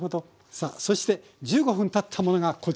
さあそして１５分たったものがこちら。